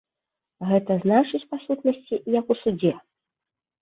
Гэта значыць, па сутнасці, як у судзе.